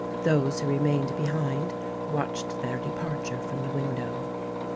Those who remained behind, watched their departure from the window.